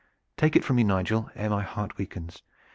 Take it from me, Nigel, ere my heart weakens.